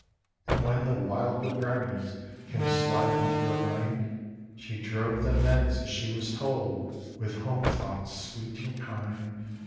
And when the wildwood Brownies Came sliding to her mind, She drove them thence, as she was told, With home thoughts sweet and kind.